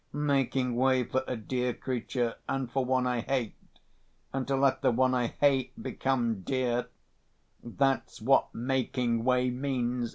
Making way for a dear creature, and for one I hate. And to let the one I hate become dear—that's what making way means!